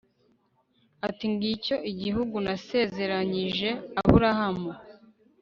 ati ngicyo igihugu nasezeranyije abrahamu